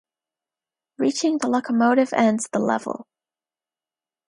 Reaching the locomotive ends the level.